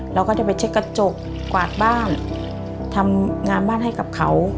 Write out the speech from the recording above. เราก็จะไปเช็ดกระจกกวาดบ้านทำงานบ้านให้กับเขา